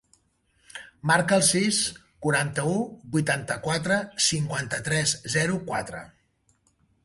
Marca el sis, quaranta-u, vuitanta-quatre, cinquanta-tres, zero, quatre.